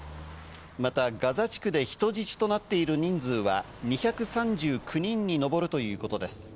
またガザ地区で人質となっている人数は２３９人に上るということです。